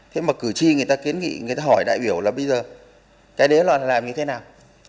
thế mà cử tri người ta kiến nghị người ta hỏi đại biểu là bây giờ cái đấy là làm như thế nào